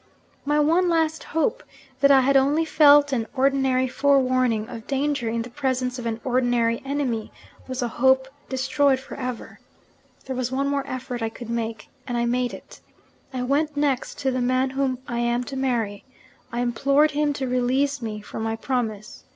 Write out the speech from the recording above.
My one last hope, that I had only felt an ordinary forewarning of danger in the presence of an ordinary enemy, was a hope destroyed for ever. There was one more effort I could make, and I made it. I went next to the man whom I am to marry. I implored him to release me from my promise.